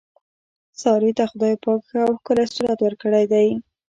سارې ته خدای پاک ښه او ښکلی صورت ورکړی دی.